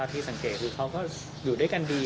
ที่สังเกตคือเขาก็อยู่ด้วยกันดี